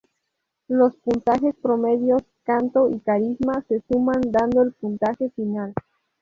Los puntajes promedios canto y carisma se suman, dando el puntaje final.